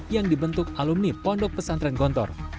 yang dibentuk alumni pondok pesantren gontor